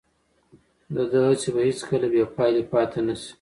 د ده هڅې به هیڅکله بې پایلې پاتې نه شي.